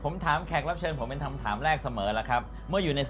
เมื่อกานที่เปรแพะมากอีกอย่างหนึ่ง